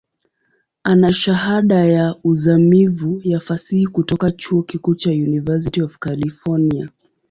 Ana Shahada ya uzamivu ya Fasihi kutoka chuo kikuu cha University of California.